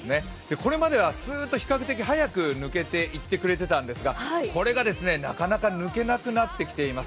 これまではすーっと比較的速く抜けていってくれていたんですがこれがなかなか抜けなくなってきています。